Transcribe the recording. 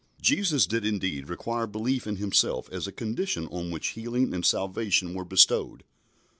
Jesus did indeed require belief in Himself as a condition on which healing and salvation were bestowed.